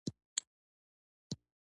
درې میاشتې مېلمه وم.